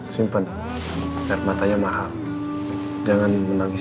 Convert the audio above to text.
simpen air matanya mahal jangan menangis